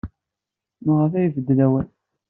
Maɣef ay ibeddel awal?